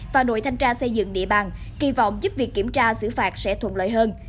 và đội thanh tra xây dựng địa bàn kỳ vọng giúp việc kiểm tra xử phạt sẽ thuận lợi hơn